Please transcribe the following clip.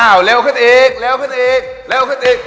เร็วขึ้นอีกเร็วขึ้นอีกเร็วขึ้นอีก